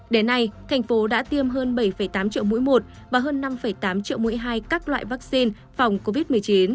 đến nay thành phố đã tiêm hơn bảy tám triệu mũi một và hơn năm tám triệu mũi hai các loại vaccine phòng covid một mươi chín